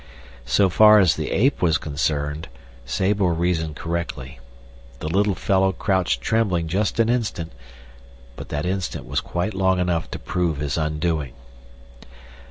So far as the ape was concerned, Sabor reasoned correctly. The little fellow crouched trembling just an instant, but that instant was quite long enough to prove his undoing.